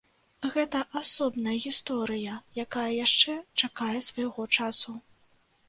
Гэта асобная гісторыя, якая яшчэ чакае свайго часу.